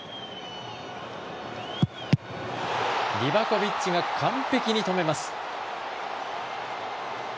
リバコビッチが完璧に止めます。